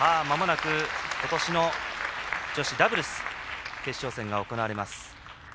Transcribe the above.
まもなく、ことしの女子ダブルス決勝戦が行われます。